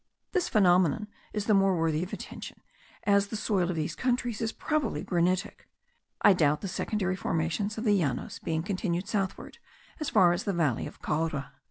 This phenomenon is the more worthy of attention as the soil of these countries is probably granitic. I doubt the secondary formations of the Llanos being continued southward as far as the valley of Caura.